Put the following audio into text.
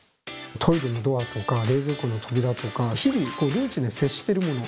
トイレのドアとか冷蔵庫の扉とか日々ルーチンで接してるもの。